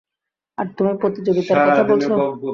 আর তুমি প্রতিযোগিতার কথা বলছো!